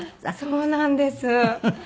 そうなんです。